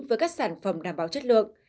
với các sản phẩm đảm bảo chất lượng